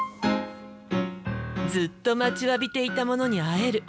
ずっと待ちわびていたものに会える！